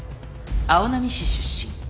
青波市出身。